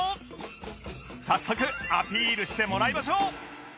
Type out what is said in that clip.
早速アピールしてもらいましょう